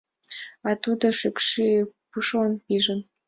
А тудо шӱкшӱ пушлан пижын...